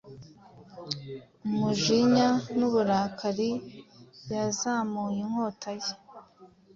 Umujinya nuburakari yazamuye inkota ye